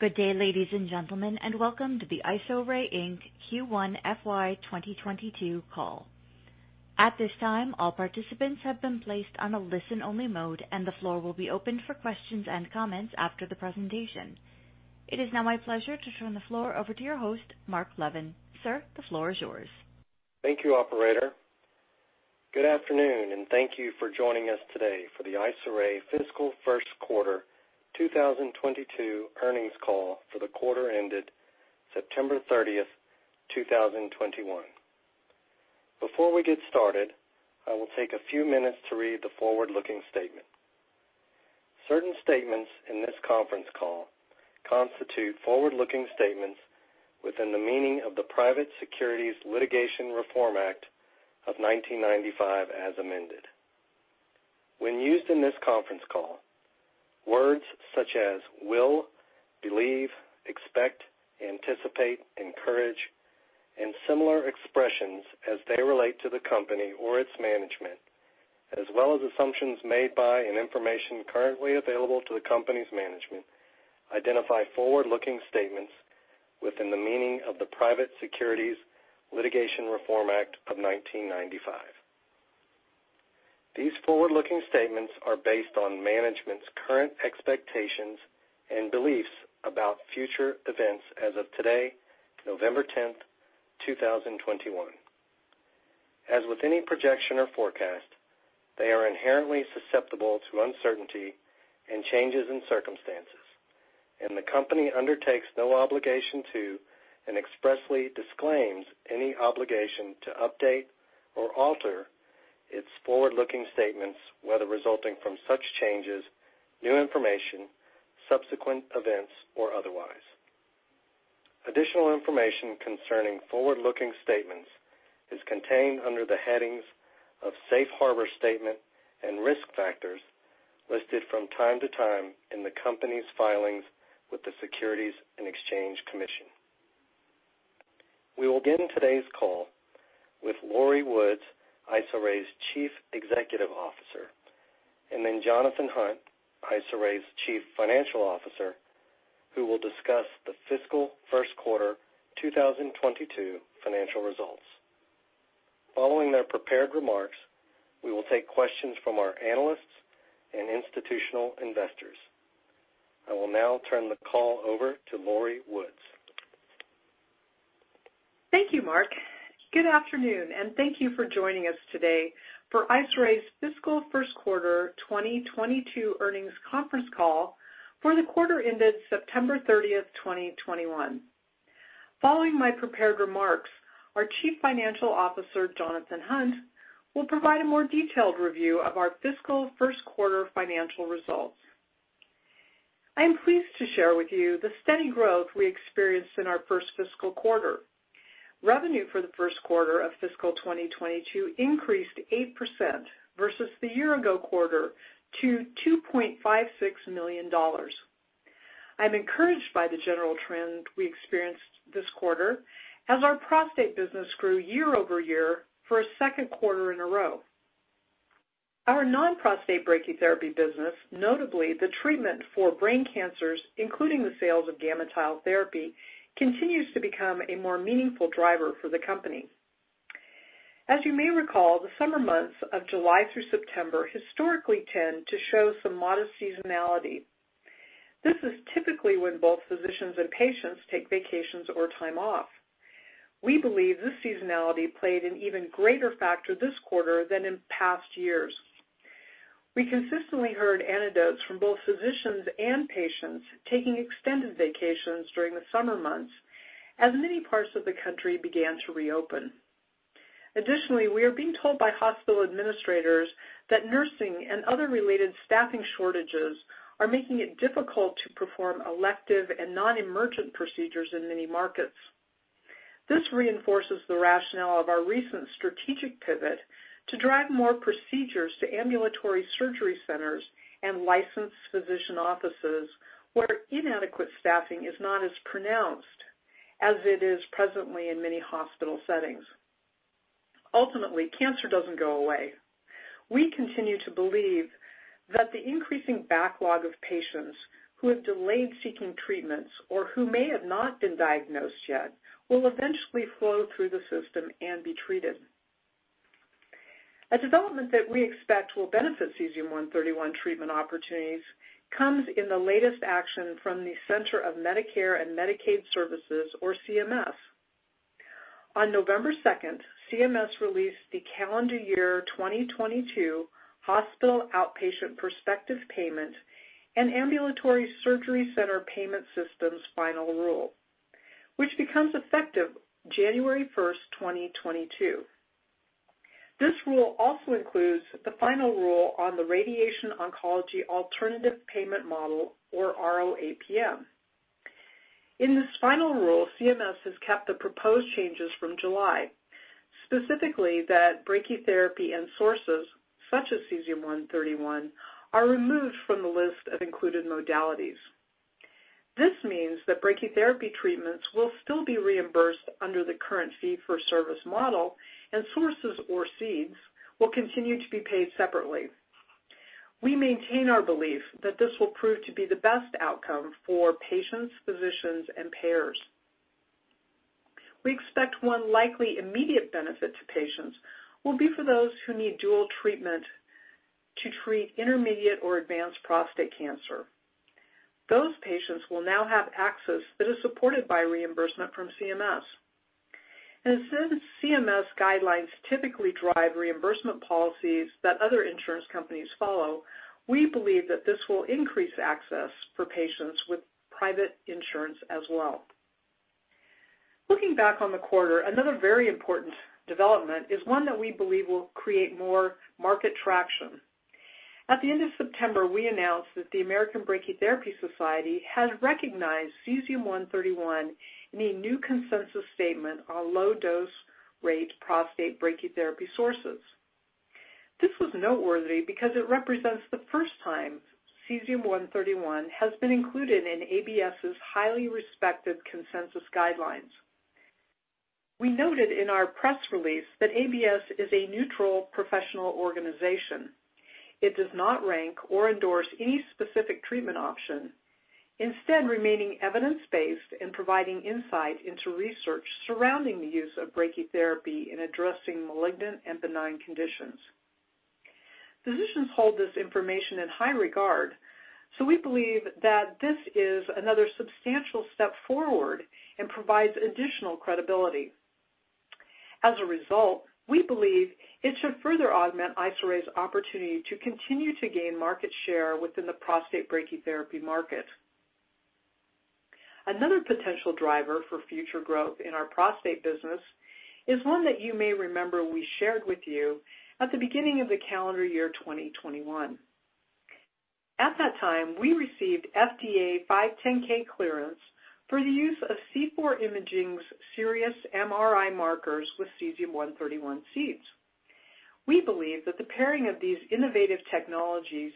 Good day, ladies and gentlemen, and welcome to the Isoray, Inc. Q1 FY 2022 call. At this time, all participants have been placed on a listen-only mode, and the floor will be opened for questions and comments after the presentation. It is now my pleasure to turn the floor over to your host, Mark Levin. Sir, the floor is yours. Thank you, operator. Good afternoon, and thank you for joining us today for the Isoray fiscal first quarter 2022 earnings call for the quarter ended September 30, 2021. Before we get started, I will take a few minutes to read the forward-looking statement. Certain statements in this conference call constitute forward-looking statements within the meaning of the Private Securities Litigation Reform Act of 1995 as amended. When used in this conference call, words such as will, believe, expect, anticipate, encourage, and similar expressions as they relate to the company or its management, as well as assumptions made by and information currently available to the company's management, identify forward-looking statements within the meaning of the Private Securities Litigation Reform Act of 1995. These forward-looking statements are based on management's current expectations and beliefs about future events as of today, November 10, 2021. As with any projection or forecast, they are inherently susceptible to uncertainty and changes in circumstances, and the company undertakes no obligation to, and expressly disclaims any obligation to update or alter its forward-looking statements, whether resulting from such changes, new information, subsequent events, or otherwise. Additional information concerning forward-looking statements is contained under the headings of Safe Harbor Statement and Risk Factors listed from time to time in the company's filings with the Securities and Exchange Commission. We will begin today's call with Lori Woods, IsoRay's Chief Executive Officer, and then Jonathan Hunt, IsoRay's Chief Financial Officer, who will discuss the fiscal first quarter 2022 financial results. Following their prepared remarks, we will take questions from our analysts and institutional investors. I will now turn the call over to Lori Woods. Thank you, Mark. Good afternoon, and thank you for joining us today for Isoray's fiscal first quarter 2022 earnings conference call for the quarter ended September 30, 2021. Following my prepared remarks, our Chief Financial Officer, Jonathan Hunt, will provide a more detailed review of our fiscal first quarter financial results. I am pleased to share with you the steady growth we experienced in our first fiscal quarter. Revenue for the first quarter of fiscal 2022 increased 8% versus the year-ago quarter to $2.56 million. I'm encouraged by the general trend we experienced this quarter as our prostate business grew year-over-year for a second quarter in a row. Our non-prostate brachytherapy business, notably the treatment for brain cancers, including the sales of GammaTile Therapy, continues to become a more meaningful driver for the company. As you may recall, the summer months of July through September historically tend to show some modest seasonality. This is typically when both physicians and patients take vacations or time off. We believe this seasonality played an even greater factor this quarter than in past years. We consistently heard anecdotes from both physicians and patients taking extended vacations during the summer months as many parts of the country began to reopen. Additionally, we are being told by hospital administrators that nursing and other related staffing shortages are making it difficult to perform elective and non-emergent procedures in many markets. This reinforces the rationale of our recent strategic pivot to drive more procedures to ambulatory surgery centers and licensed physician offices where inadequate staffing is not as pronounced as it is presently in many hospital settings. Ultimately, cancer doesn't go away. We continue to believe that the increasing backlog of patients who have delayed seeking treatments or who may have not been diagnosed yet will eventually flow through the system and be treated. A development that we expect will benefit cesium-131 treatment opportunities comes in the latest action from the Centers for Medicare & Medicaid Services or CMS. On November 2, CMS released the calendar year 2022 hospital outpatient prospective payment and ambulatory surgery center payment systems final rule, which becomes effective January 1, 2022. This rule also includes the final rule on the Radiation Oncology Alternative Payment Model or RO-APM. In this final rule, CMS has kept the proposed changes from July, specifically that brachytherapy and sources such as cesium-131 are removed from the list of included modalities. This means that brachytherapy treatments will still be reimbursed under the current fee-for-service model, and sources or seeds will continue to be paid separately. We maintain our belief that this will prove to be the best outcome for patients, physicians and payers. We expect one likely immediate benefit to patients will be for those who need dual treatment to treat intermediate or advanced prostate cancer. Those patients will now have access that is supported by reimbursement from CMS. Since CMS guidelines typically drive reimbursement policies that other insurance companies follow, we believe that this will increase access for patients with private insurance as well. Looking back on the quarter, another very important development is one that we believe will create more market traction. At the end of September, we announced that the American Brachytherapy Society has recognized cesium-131 in a new consensus statement on low dose rate prostate brachytherapy sources. This was noteworthy because it represents the first time cesium-131 has been included in ABS's highly respected consensus guidelines. We noted in our press release that ABS is a neutral professional organization. It does not rank or endorse any specific treatment option, instead remaining evidence-based and providing insight into research surrounding the use of brachytherapy in addressing malignant and benign conditions. Physicians hold this information in high regard, so we believe that this is another substantial step forward and provides additional credibility. As a result, we believe it should further augment Isoray's opportunity to continue to gain market share within the prostate brachytherapy market. Another potential driver for future growth in our prostate business is one that you may remember we shared with you at the beginning of the calendar year 2021. At that time, we received FDA 510(k) clearance for the use of C4 Imaging's Sirius MRI markers with cesium-131 seeds. We believe that the pairing of these innovative technologies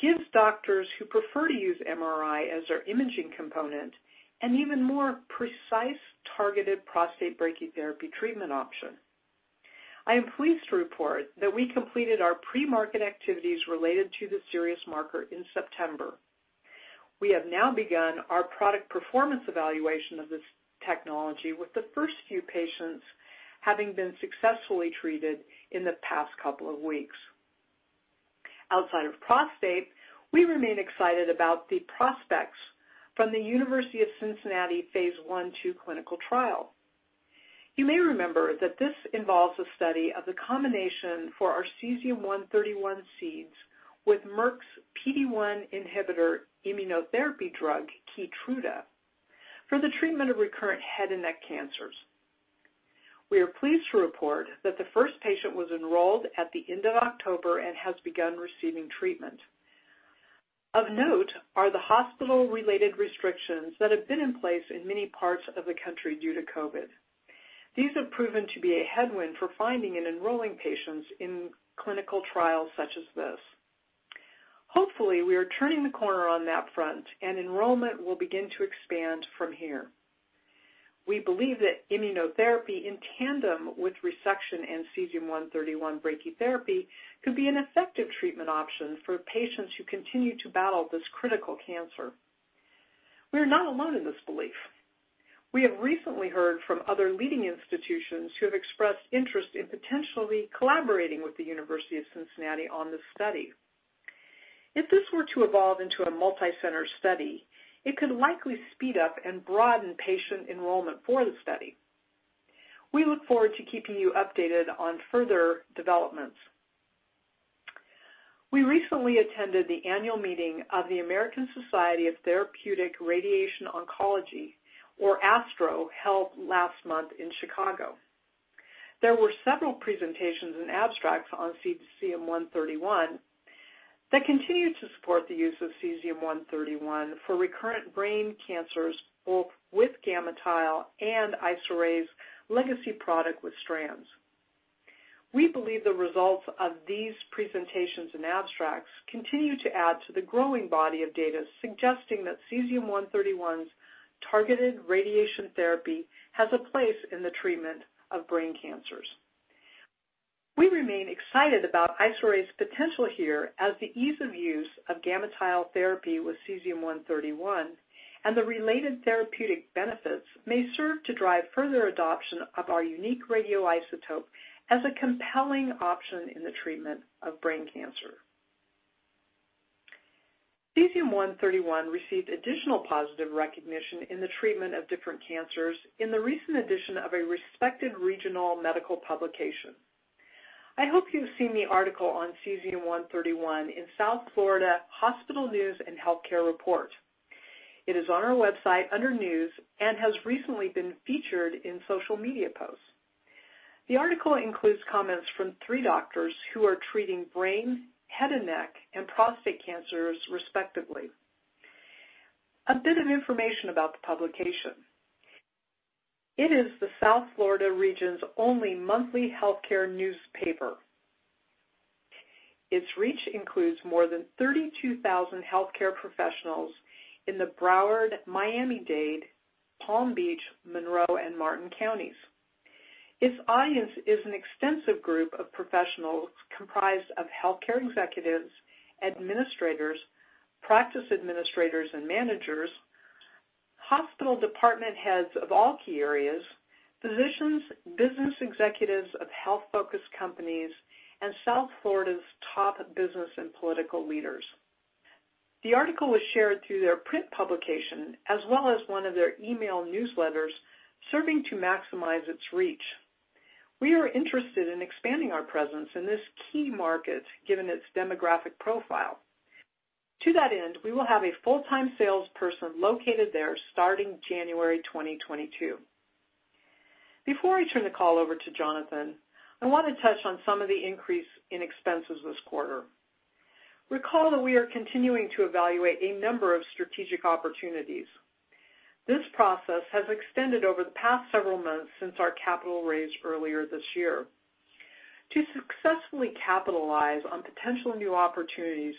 gives doctors who prefer to use MRI as their imaging component an even more precise, targeted prostate brachytherapy treatment option. I am pleased to report that we completed our pre-market activities related to the Sirius marker in September. We have now begun our product performance evaluation of this technology, with the first few patients having been successfully treated in the past couple of weeks. Outside of prostate, we remain excited about the prospects from the University of Cincinnati phase I/II clinical trial. You may remember that this involves a study of the combination for our cesium-131 seeds with Merck's PD-1 inhibitor immunotherapy drug, KEYTRUDA, for the treatment of recurrent head and neck cancers. We are pleased to report that the first patient was enrolled at the end of October and has begun receiving treatment. Of note are the hospital-related restrictions that have been in place in many parts of the country due to COVID. These have proven to be a headwind for finding and enrolling patients in clinical trials such as this. Hopefully, we are turning the corner on that front and enrollment will begin to expand from here. We believe that immunotherapy in tandem with resection and cesium-131 brachytherapy could be an effective treatment option for patients who continue to battle this critical cancer. We are not alone in this belief. We have recently heard from other leading institutions who have expressed interest in potentially collaborating with the University of Cincinnati on this study. If this were to evolve into a multi-center study, it could likely speed up and broaden patient enrollment for the study. We look forward to keeping you updated on further developments. We recently attended the annual meeting of the American Society for Radiation Oncology, or ASTRO, held last month in Chicago. There were several presentations and abstracts on cesium-131 that continued to support the use of cesium-131 for recurrent brain cancers, both with GammaTile and Isoray's legacy product with strands. We believe the results of these presentations and abstracts continue to add to the growing body of data suggesting that cesium-131's targeted radiation therapy has a place in the treatment of brain cancers. We remain excited about Isoray's potential here as the ease of use of GammaTile Therapy with cesium-131 and the related therapeutic benefits may serve to drive further adoption of our unique radioisotope as a compelling option in the treatment of brain cancer. Cesium-131 received additional positive recognition in the treatment of different cancers in the recent addition of a respected regional medical publication. I hope you've seen the article on cesium-131 in South Florida Hospital News and Healthcare Report. It is on our website under news and has recently been featured in social media posts. The article includes comments from three doctors who are treating brain, head and neck, and prostate cancers respectively. A bit of information about the publication. It is the South Florida region's only monthly healthcare newspaper. Its reach includes more than 32,000 healthcare professionals in the Broward, Miami-Dade, Palm Beach, Monroe, and Martin Counties. Its audience is an extensive group of professionals comprised of healthcare executives, administrators, practice administrators and managers, hospital department heads of all key areas, physicians, business executives of health-focused companies, and South Florida's top business and political leaders. The article was shared through their print publication as well as one of their email newsletters, serving to maximize its reach. We are interested in expanding our presence in this key market, given its demographic profile. To that end, we will have a full-time salesperson located there starting January 2022. Before I turn the call over to Jonathan, I wanna touch on some of the increase in expenses this quarter. Recall that we are continuing to evaluate a number of strategic opportunities. This process has extended over the past several months since our capital raise earlier this year. To successfully capitalize on potential new opportunities,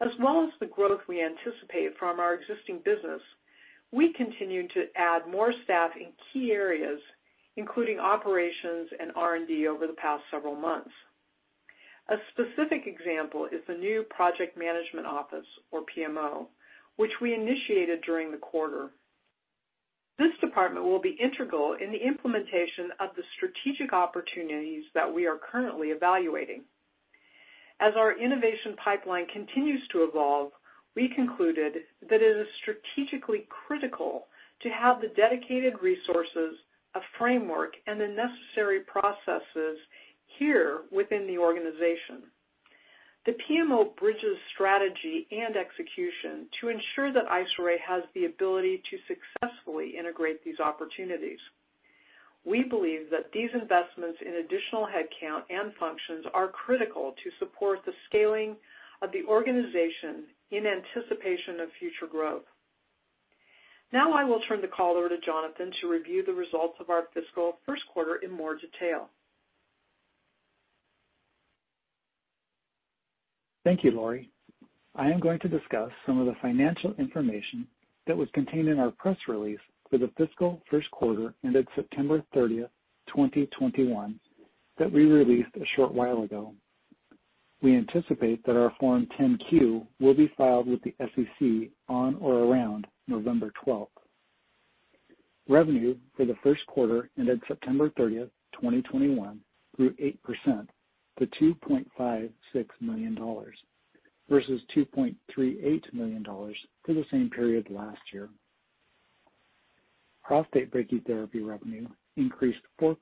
as well as the growth we anticipate from our existing business, we continue to add more staff in key areas, including operations and R&D over the past several months. A specific example is the new Project Management Office or PMO, which we initiated during the quarter. This department will be integral in the implementation of the strategic opportunities that we are currently evaluating. As our innovation pipeline continues to evolve, we concluded that it is strategically critical to have the dedicated resources, a framework, and the necessary processes here within the organization. The PMO bridges strategy and execution to ensure that Isoray has the ability to successfully integrate these opportunities. We believe that these investments in additional headcount and functions are critical to support the scaling of the organization in anticipation of future growth. Now I will turn the call over to Jonathan to review the results of our fiscal first quarter in more detail. Thank you, Lori. I am going to discuss some of the financial information that was contained in our press release for the fiscal first quarter ended September 30, 2021, that we released a short while ago. We anticipate that our Form 10-Q will be filed with the SEC on or around November 12. Revenue for the first quarter ended September 30, 2021, grew 8% to $2.56 million, versus $2.38 million for the same period last year. Prostate brachytherapy revenue increased 4%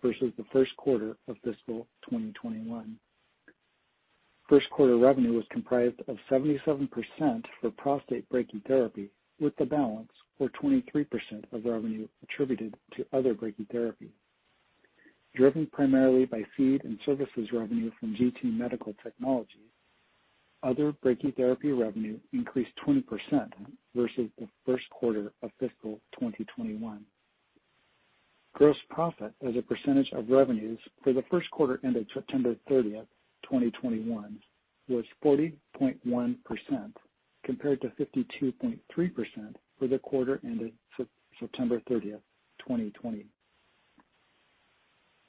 versus the first quarter of fiscal 2021. First quarter revenue was comprised of 77% for prostate brachytherapy, with the balance for 23% of revenue attributed to other brachytherapy. Driven primarily by seed and services revenue from GT Medical Technologies, other brachytherapy revenue increased 20% versus the first quarter of fiscal 2021. Gross profit as a percentage of revenues for the first quarter ended September 30, 2021 was 40.1%, compared to 52.3% for the quarter ended September 30, 2020.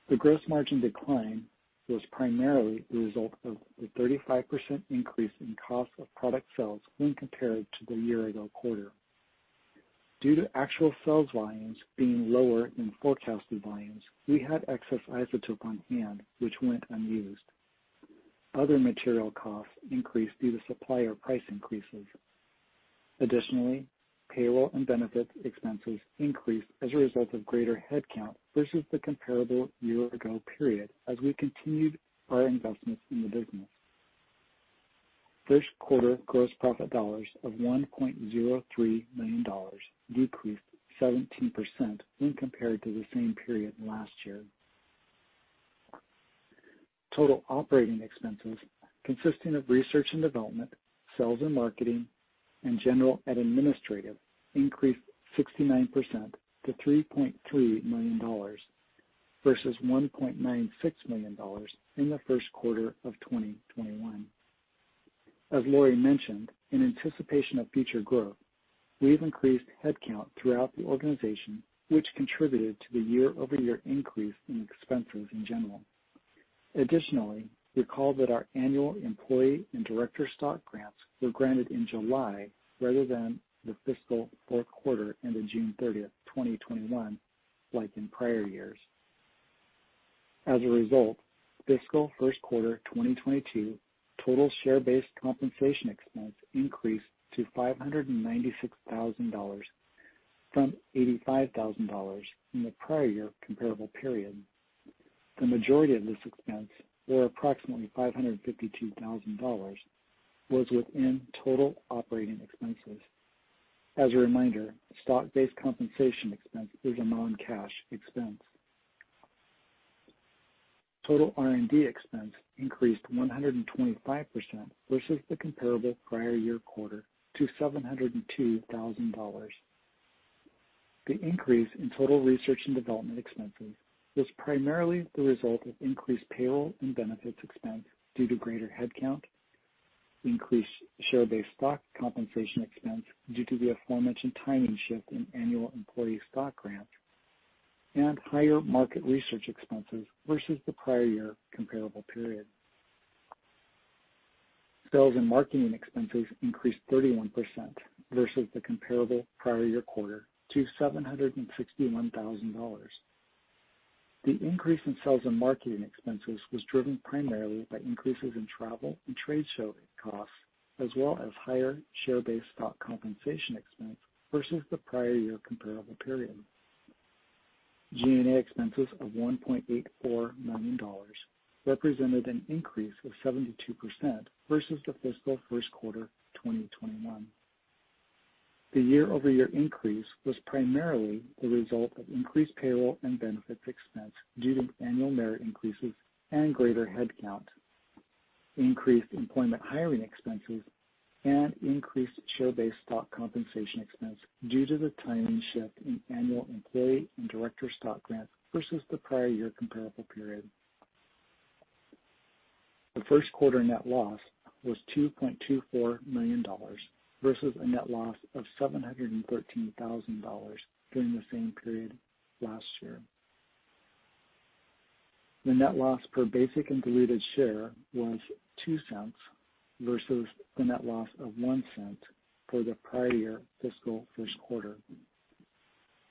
The gross margin decline was primarily the result of the 35% increase in cost of product sales when compared to the year ago quarter. Due to actual sales volumes being lower than forecasted volumes, we had excess isotope on hand which went unused. Other material costs increased due to supplier price increases. Additionally, payroll and benefit expenses increased as a result of greater headcount versus the comparable year ago period as we continued our investments in the business. First quarter gross profit dollars of $1.03 million decreased 17% when compared to the same period last year. Total operating expenses, consisting of research and development, sales and marketing, and general and administrative, increased 69% to $3.3 million, versus $1.96 million in the first quarter of 2021. Lori mentioned, in anticipation of future growth, we've increased headcount throughout the organization, which contributed to the year-over-year increase in expenses in general. Additionally, recall that our annual employee and director stock grants were granted in July rather than the fiscal fourth quarter ended June 30, 2021, like in prior years. As a result, fiscal first quarter 2022 total share-based compensation expense increased to $596,000 from $85,000 in the prior year comparable period. The majority of this expense, or approximately $552,000, was within total operating expenses. As a reminder, stock-based compensation expense is a non-cash expense. Total R&D expense increased 125% versus the comparable prior year quarter to $702,000. The increase in total research and development expenses was primarily the result of increased payroll and benefits expense due to greater headcount. Increased share-based stock compensation expense due to the aforementioned timing shift in annual employee stock grants and higher market research expenses versus the prior year comparable period. Sales and marketing expenses increased 31% versus the comparable prior year quarter to $761,000. The increase in sales and marketing expenses was driven primarily by increases in travel and trade show costs as well as higher share-based stock compensation expense versus the prior year comparable period. G&A expenses of $1.84 million represented an increase of 72% versus the fiscal first quarter 2021. The year-over-year increase was primarily the result of increased payroll and benefits expense due to annual merit increases and greater headcount, increased employment hiring expenses, and increased share-based stock compensation expense due to the timing shift in annual employee and director stock grants versus the prior year comparable period. The first quarter net loss was $2.24 million versus a net loss of $713,000 during the same period last year. The net loss per basic and diluted share was $0.02 versus the net loss of $0.01 for the prior year fiscal first quarter.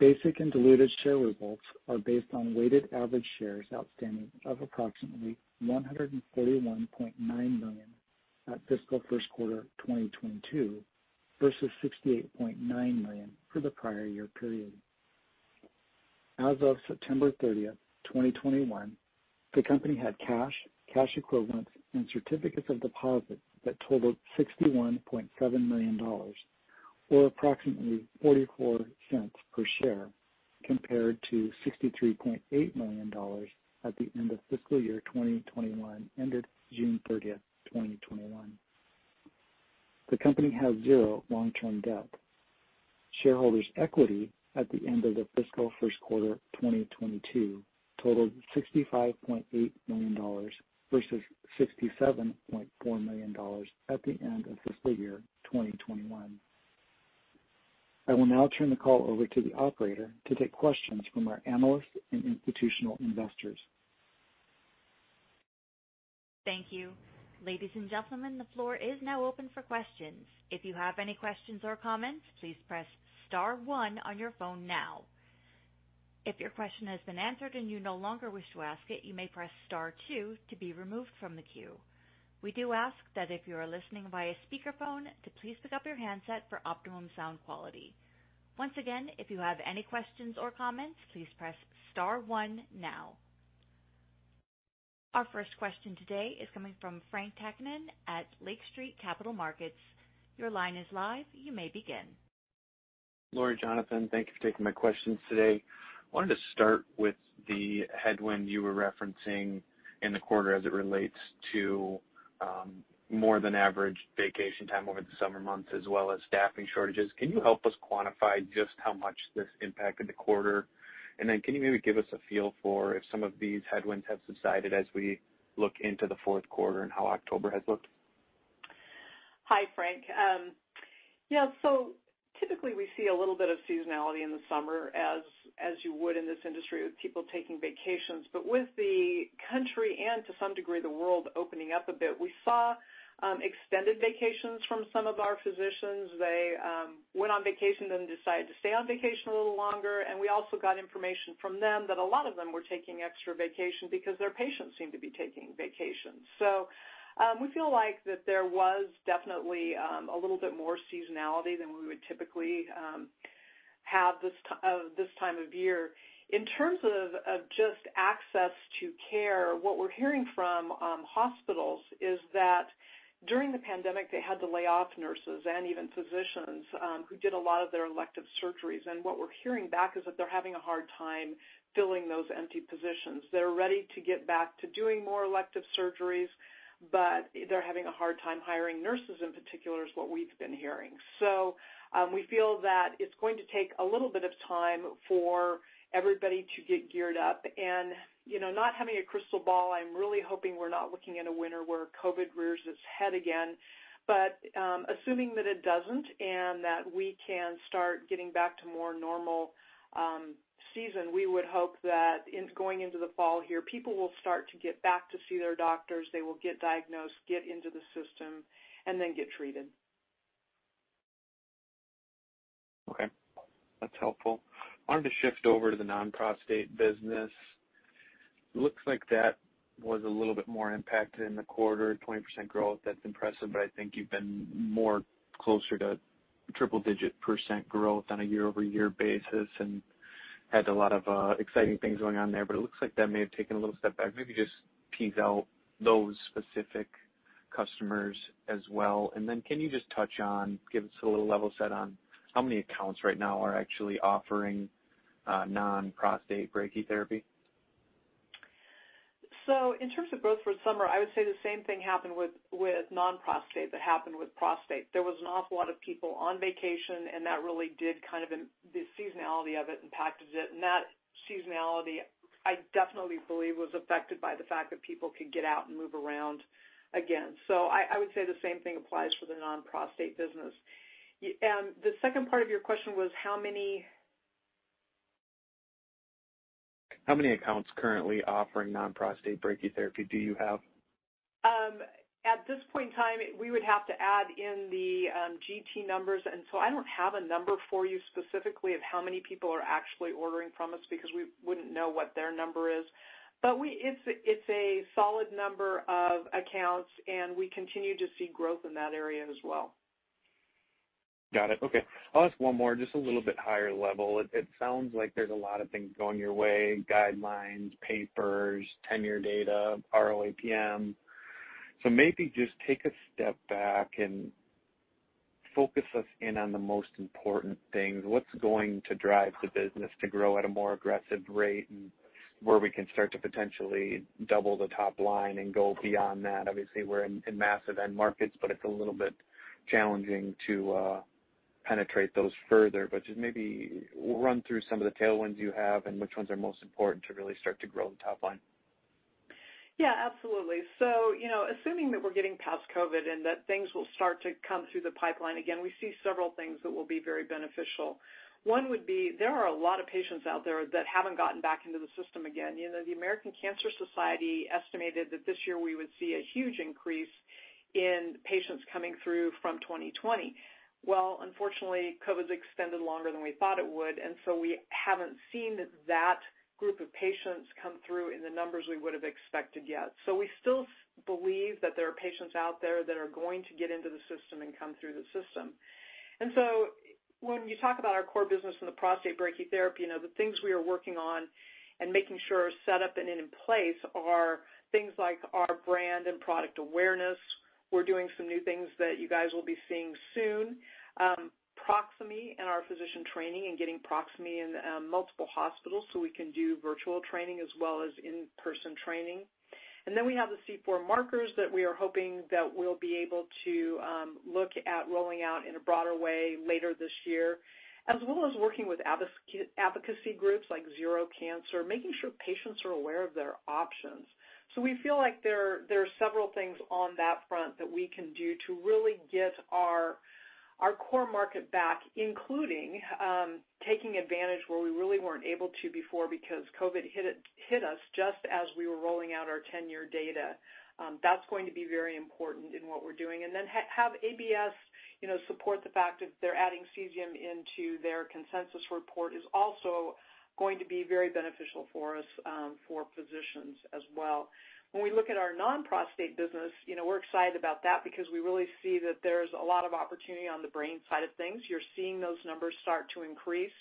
Basic and diluted share results are based on weighted average shares outstanding of approximately 141.9 million at fiscal first quarter 2022 versus 68.9 million for the prior year period. As of September 30, 2021, the company had cash equivalents and certificates of deposit that totaled $61.7 million or approximately $0.44 per share, compared to $63.8 million at the end of fiscal year 2021, ended June 30, 2021. The company has $0 long-term debt. Shareholders' equity at the end of the fiscal first quarter 2022 totaled $65.8 million versus $67.4 million at the end of fiscal year 2021. I will now turn the call over to the operator to take questions from our analysts and institutional investors. Thank you. Ladies and gentlemen, the floor is now open for questions. If you have any questions or comments, please press star one on your phone now. If your question has been answered and you no longer wish to ask it, you may press star two to be removed from the queue. We do ask that if you are listening via speakerphone to please pick up your handset for optimum sound quality. Once again, if you have any questions or comments, please press star one now. Our first question today is coming from Frank Takkinen at Lake Street Capital Markets. Your line is live. You may begin. Lori, Jonathan, thank you for taking my questions today. I wanted to start with the headwind you were referencing in the quarter as it relates to more than average vacation time over the summer months as well as staffing shortages. Can you help us quantify just how much this impacted the quarter? Can you maybe give us a feel for if some of these headwinds have subsided as we look into the fourth quarter and how October has looked? Hi, Frank. Typically we see a little bit of seasonality in the summer as you would in this industry with people taking vacations. But with the country and to some degree the world opening up a bit, we saw extended vacations from some of our physicians. They went on vacation, then decided to stay on vacation a little longer. We also got information from them that a lot of them were taking extra vacation because their patients seemed to be taking vacations. We feel like that there was definitely a little bit more seasonality than we would typically have this time of year. In terms of just access to care, what we're hearing from hospitals is that during the pandemic, they had to lay off nurses and even physicians who did a lot of their elective surgeries. What we're hearing back is that they're having a hard time filling those empty positions. They're ready to get back to doing more elective surgeries, but they're having a hard time hiring nurses in particular, is what we've been hearing. We feel that it's going to take a little bit of time for everybody to get geared up. You know, not having a crystal ball, I'm really hoping we're not looking at a winter where COVID rears its head again. Assuming that it doesn't and that we can start getting back to more normal season, we would hope that in going into the fall here, people will start to get back to see their doctors. They will get diagnosed, get into the system, and then get treated. Okay, that's helpful. I wanted to shift over to the non-prostate business. Looks like that was a little bit more impacted in the quarter. 20% growth, that's impressive, but I think you've been more closer to triple-digit percentage growth on a year-over-year basis and had a lot of exciting things going on there. It looks like that may have taken a little step back. Maybe just tease out those specific customers as well. Then can you just touch on, give us a little level set on how many accounts right now are actually offering non-prostate brachytherapy? In terms of growth for the summer, I would say the same thing happened with non-prostate that happened with prostate. There was an awful lot of people on vacation, and the seasonality of it impacted it. That seasonality, I definitely believe, was affected by the fact that people could get out and move around again. I would say the same thing applies for the non-prostate business. The second part of your question was how many? How many accounts currently offering non-prostate brachytherapy do you have? At this point in time, we would have to add in the GT numbers. I don't have a number for you specifically of how many people are actually ordering from us because we wouldn't know what their number is. But it's a solid number of accounts, and we continue to see growth in that area as well. Got it. Okay. I'll ask one more just a little bit higher level. It sounds like there's a lot of things going your way, guidelines, papers, ten-year data, RO-APM. Maybe just take a step back and focus us in on the most important things. What's going to drive the business to grow at a more aggressive rate and where we can start to potentially double the top line and go beyond that? Obviously, we're in massive end markets, but it's a little bit challenging to penetrate those further. Just maybe run through some of the tailwinds you have and which ones are most important to really start to grow the top line. Yeah, absolutely. You know, assuming that we're getting past COVID and that things will start to come through the pipeline again, we see several things that will be very beneficial. One would be, there are a lot of patients out there that haven't gotten back into the system again. You know, the American Cancer Society estimated that this year we would see a huge increase in patients coming through from 2020. Well, unfortunately, COVID extended longer than we thought it would, and so we haven't seen that group of patients come through in the numbers we would have expected yet. We still believe that there are patients out there that are going to get into the system and come through the system. When you talk about our core business in prostate brachytherapy, you know, the things we are working on and making sure are set up and in place are things like our brand and product awareness. We're doing some new things that you guys will be seeing soon. Proximie and our physician training and getting Proximie in multiple hospitals, so we can do virtual training as well as in-person training. We have the C4 markers that we are hoping that we'll be able to look at rolling out in a broader way later this year, as well as working with advocacy groups like ZERO Prostate Cancer, making sure patients are aware of their options. We feel like there are several things on that front that we can do to really get our core market back, including taking advantage where we really weren't able to before because COVID hit us just as we were rolling out our 10-year data. That's going to be very important in what we're doing. Have ABS, you know, support the fact that they're adding cesium into their consensus report is also going to be very beneficial for us, for physicians as well. When we look at our non-prostate business, you know, we're excited about that because we really see that there's a lot of opportunity on the brain side of things. You're seeing those numbers start to increase.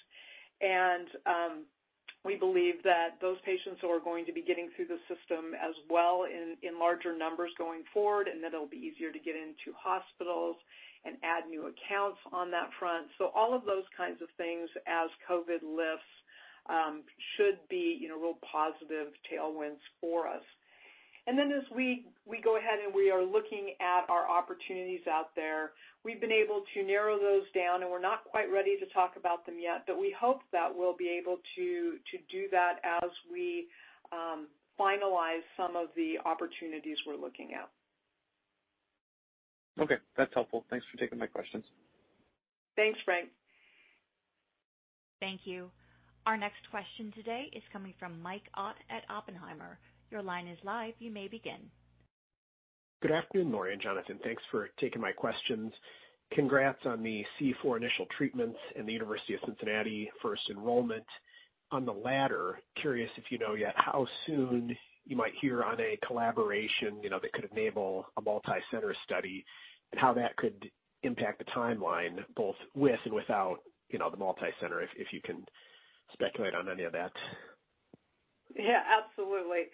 We believe that those patients are going to be getting through the system as well in larger numbers going forward, and that it'll be easier to get into hospitals and add new accounts on that front. All of those kinds of things as COVID lifts should be, you know, real positive tailwinds for us. As we go ahead and we are looking at our opportunities out there, we've been able to narrow those down, and we're not quite ready to talk about them yet. We hope that we'll be able to do that as we finalize some of the opportunities we're looking at. Okay, that's helpful. Thanks for taking my questions. Thanks, Frank. Thank you. Our next question today is coming from Mike Ott at Oppenheimer. Your line is live. You may begin. Good afternoon, Lori and Jonathan. Thanks for taking my questions. Congrats on the C4 initial treatments and the University of Cincinnati first enrollment. On the latter, curious if you know yet how soon you might hear on a collaboration, you know, that could enable a multicenter study and how that could impact the timeline both with and without, you know, the multicenter, if you can speculate on any of that? Yeah, absolutely.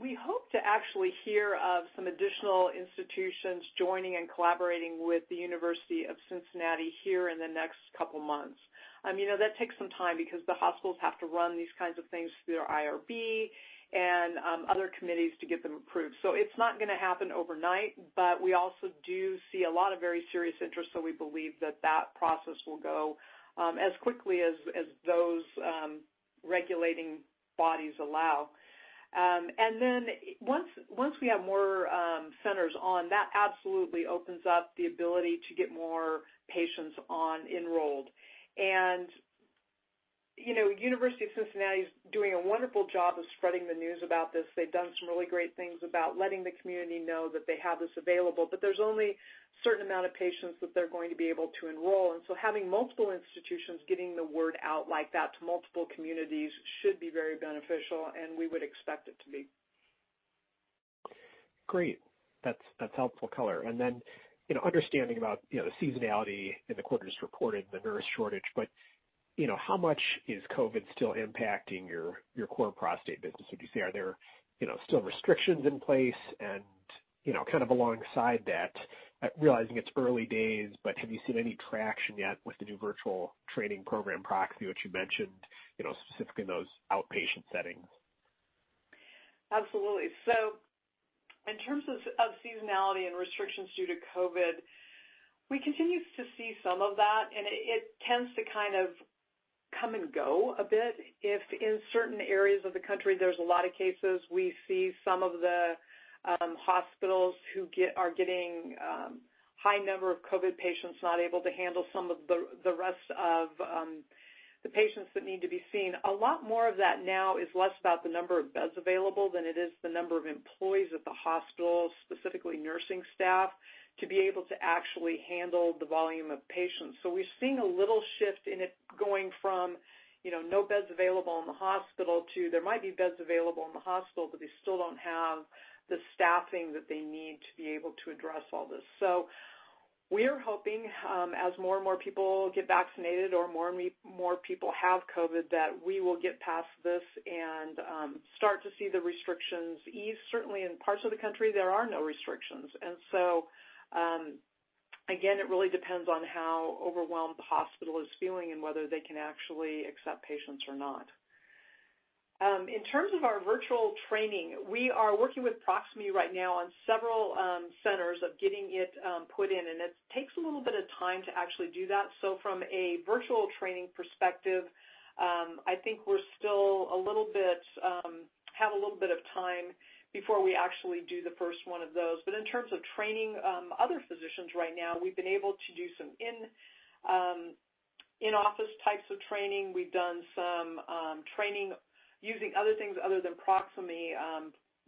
We hope to actually hear of some additional institutions joining and collaborating with the University of Cincinnati here in the next couple months. You know, that takes some time because the hospitals have to run these kinds of things through their IRB and other committees to get them approved. It's not gonna happen overnight, but we also do see a lot of very serious interest, so we believe that process will go as quickly as those regulating bodies allow. Once we have more centers on, that absolutely opens up the ability to get more patients enrolled. University of Cincinnati is doing a wonderful job of spreading the news about this. They've done some really great things about letting the community know that they have this available, but there's only certain amount of patients that they're going to be able to enroll. Having multiple institutions getting the word out like that to multiple communities should be very beneficial, and we would expect it to be. Great. That's helpful color. Then, you know, understanding about, you know, the seasonality in the quarters reported, the nurse shortage, but, you know, how much is COVID still impacting your core prostate business, would you say? Are there, you know, still restrictions in place? You know, kind of alongside that, realizing it's early days, but have you seen any traction yet with the new virtual training program Proximie, which you mentioned, you know, specifically in those outpatient settings? Absolutely. In terms of seasonality and restrictions due to COVID, we continue to see some of that, and it tends to kind of come and go a bit. If in certain areas of the country there's a lot of cases, we see some of the hospitals are getting high number of COVID patients not able to handle some of the rest of the patients that need to be seen. A lot more of that now is less about the number of beds available than it is the number of employees at the hospital, specifically nursing staff, to be able to actually handle the volume of patients. We're seeing a little shift in it going from, you know, no beds available in the hospital to there might be beds available in the hospital, but they still don't have the staffing that they need to be able to address all this. We are hoping, as more and more people get vaccinated or more people have COVID, that we will get past this and start to see the restrictions ease. Certainly in parts of the country there are no restrictions. Again, it really depends on how overwhelmed the hospital is feeling and whether they can actually accept patients or not. In terms of our virtual training, we are working with Proximie right now on several centers of getting it put in, and it takes a little bit of time to actually do that. From a virtual training perspective, I think we have a little bit of time before we actually do the first one of those. But in terms of training other physicians right now, we've been able to do some in-office types of training. We've done some training using other things other than Proximie.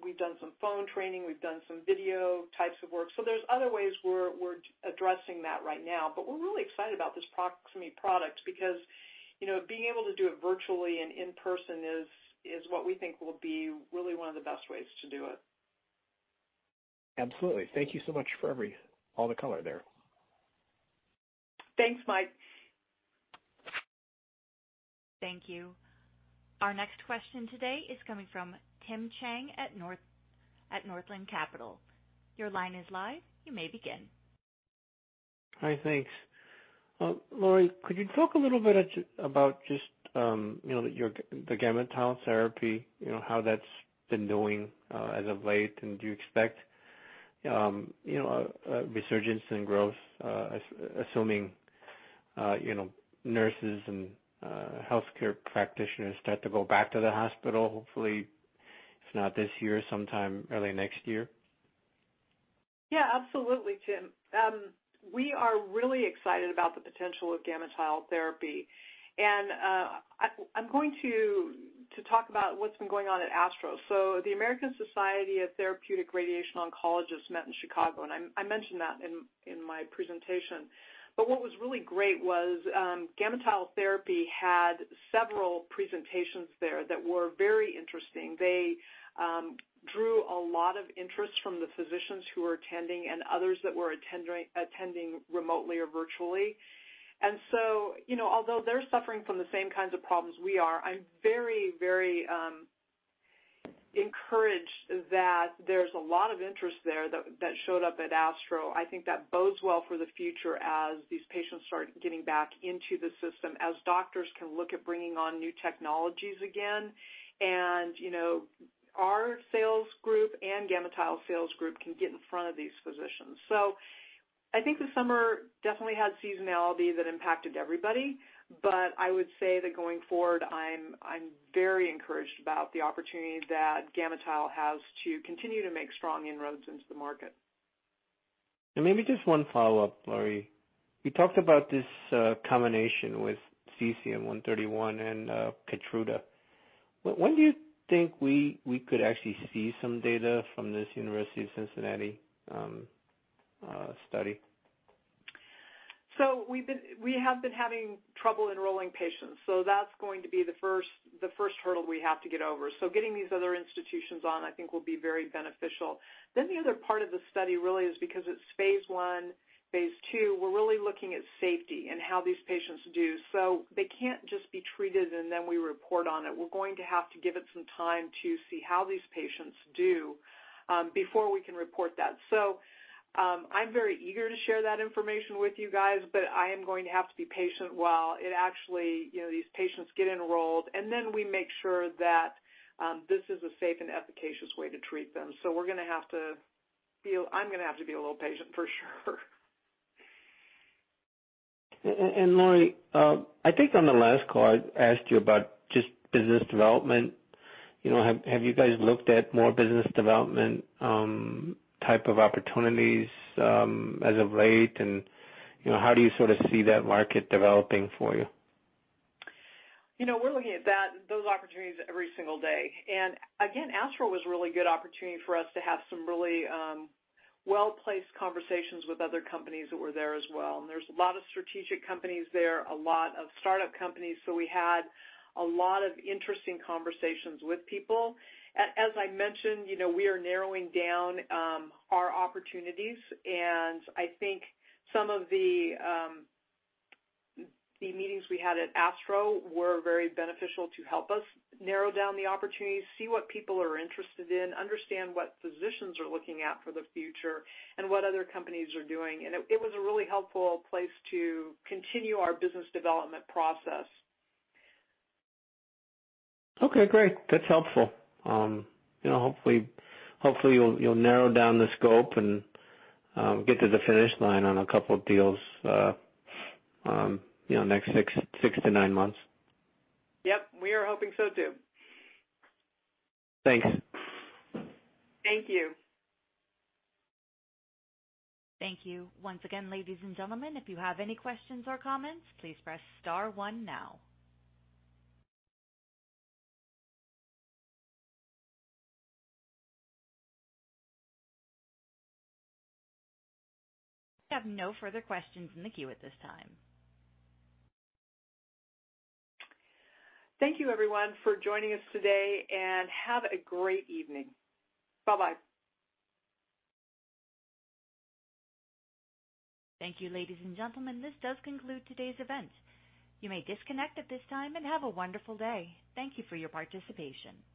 We've done some phone training, we've done some video types of work. There's other ways we're addressing that right now. But we're really excited about this Proximie product because, you know, being able to do it virtually and in person is what we think will be really one of the best ways to do it. Absolutely. Thank you so much for every, all the color there. Thanks, Mike. Thank you. Our next question today is coming from Tim Chiang at Northland Capital. Your line is live. You may begin. Hi. Thanks. Lori, could you talk a little bit about just, you know, your, the GammaTile Therapy, you know, how that's been doing, as of late? And do you expect, you know, a resurgence in growth, assuming, you know, nurses and healthcare practitioners start to go back to the hospital, hopefully, if not this year, sometime early next year? Yeah, absolutely Tim. We are really excited about the potential of GammaTile Therapy. I'm going to talk about what's been going on at ASTRO. The American Society for Radiation Oncology met in Chicago, and I mentioned that in my presentation. What was really great was, GammaTile Therapy had several presentations there that were very interesting. They drew a lot of interest from the physicians who were attending and others that were attending remotely or virtually. You know, although they're suffering from the same kinds of problems we are, I'm very encouraged that there's a lot of interest there that showed up at ASTRO. I think that bodes well for the future as these patients start getting back into the system, as doctors can look at bringing on new technologies again. You know, our sales group and GammaTile sales group can get in front of these physicians. I think the summer definitely had seasonality that impacted everybody, but I would say that going forward, I'm very encouraged about the opportunity that GammaTile has to continue to make strong inroads into the market. Maybe just one follow-up, Lori. You talked about this combination with cesium-131 and KEYTRUDA. When do you think we could actually see some data from this University of Cincinnati study? We have been having trouble enrolling patients, so that's going to be the first hurdle we have to get over. Getting these other institutions on I think will be very beneficial. The other part of the study really is because it's phase I, phase II, we're really looking at safety and how these patients do. They can't just be treated and then we report on it. We're going to have to give it some time to see how these patients do before we can report that. I'm very eager to share that information with you guys, but I am going to have to be patient while it actually, you know, these patients get enrolled, and then we make sure that this is a safe and efficacious way to treat them. I'm gonna have to be a little patient for sure. Lori, I think on the last call I asked you about just business development. You know, have you guys looked at more business development type of opportunities as of late? You know, how do you sort of see that market developing for you? You know, we're looking at that, those opportunities every single day. Again, ASTRO was a really good opportunity for us to have some really, well-placed conversations with other companies that were there as well. There's a lot of strategic companies there, a lot of startup companies, so we had a lot of interesting conversations with people. As I mentioned, you know, we are narrowing down our opportunities and I think some of the meetings we had at ASTRO were very beneficial to help us narrow down the opportunities, see what people are interested in, understand what physicians are looking at for the future, and what other companies are doing. It was a really helpful place to continue our business development process. Okay, great. That's helpful. You know, hopefully you'll narrow down the scope and get to the finish line on a couple deals, you know, next six to nine months. Yep. We are hoping so too. Thanks. Thank you. Thank you. Once again, ladies and gentlemen, if you have any questions or comments, please press star one now. We have no further questions in the queue at this time. Thank you everyone for joining us today and have a great evening. Bye-bye. Thank you, ladies and gentlemen, this does conclude today's event. You may disconnect at this time and have a wonderful day. Thank you for your participation.